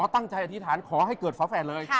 ตั้งใจอธิษฐานขอให้เกิดฝาแฝดเลย